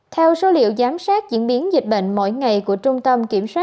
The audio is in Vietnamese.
theo số liệu giám sát diễn biến dịch bệnh mỗi ngày của trung tâm kiểm soát